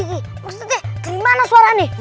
maksudnya gimana suara ini